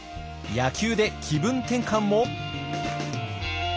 野球で気分転換も！？